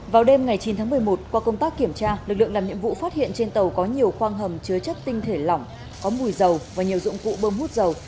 vào đêm ngày chín tháng một mươi một qua công tác kiểm tra lực lượng làm nhiệm vụ phát hiện trên tàu có nhiều khoang hầm chứa chất tinh thể lỏng có mùi dầu và nhiều dụng cụ bơm hút dầu